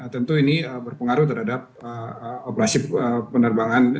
tentu ini berpengaruh terhadap operasi penerbangan